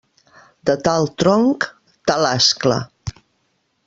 De tal tronc, tal ascla.